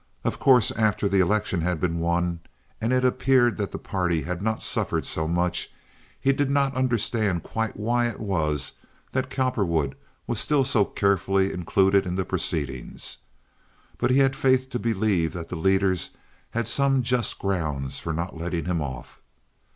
Of course, after the election had been won, and it appeared that the party had not suffered so much, he did not understand quite why it was that Cowperwood was still so carefully included in the Proceedings; but he had faith to believe that the leaders had some just grounds for not letting him off.